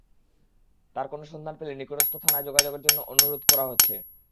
তার কোনো সন্ধান পেলে নিকটস্থ থানায় যোগাযোগের জন্য অনুরোধ করা হয়েছে।